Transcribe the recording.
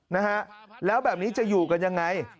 นะฮะแล้วแบบนี้จะอยู่กันยังไง